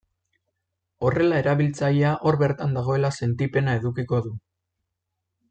Horrela erabiltzailea hor bertan dagoela sentipena edukiko du.